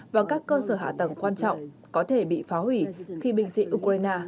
và các cơ sở hạ tầng quan trọng có thể bị phá hủy khi binh sĩ ukraine